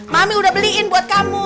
mami udah beliin buat kamu